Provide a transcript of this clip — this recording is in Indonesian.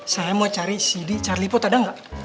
saya mau cari sidi charlie pot ada gak